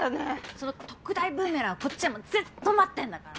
その特大ブーメランこっちはもうずっと待ってんだから。